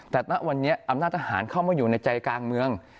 แต่ณวันนี้อำนาจทหารเข้ามาอยู่ในใจกลางเมือง